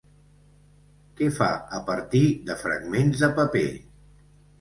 Què fa a partir de fragments de paper?